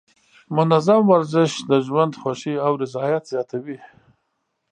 منظم ورزش د ژوند خوښۍ او رضایت زیاتوي.